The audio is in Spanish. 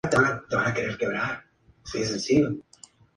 Luego formó parte de "Gilmore Girls", como la mejor amiga de Rory.